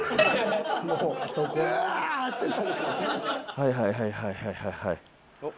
はいはいはいはいはいはいはい。